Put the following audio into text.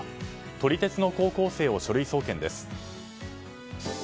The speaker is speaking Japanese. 撮り鉄の高校生を書類送検です。